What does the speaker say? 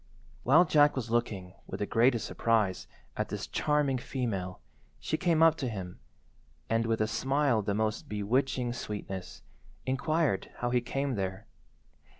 While Jack was looking, with the greatest surprise, at this charming female, she came up to him, and, with a smile of the most bewitching sweetness, inquired how he came there.